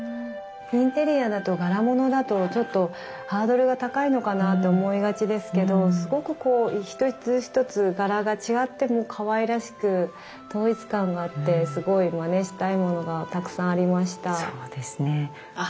インテリアだと柄物だとちょっとハードルが高いのかなと思いがちですけどすごくこう一つ一つ柄が違ってもかわいらしく統一感があってすごいまねしたいものがたくさんありました。